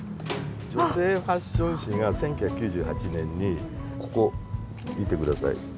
女性ファッション誌が１９９８年にここ見て下さい。